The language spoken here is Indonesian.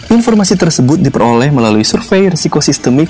informasi tersebut diperoleh melalui survei risiko sistemik